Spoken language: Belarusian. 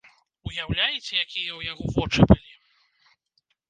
Уяўляеце, якія ў яго вочы былі!